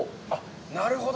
なるほど。